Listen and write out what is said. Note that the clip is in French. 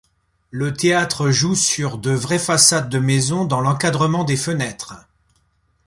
Le théâtre joue sur de vraies façades de maison dans l'encadrement des fenêtres.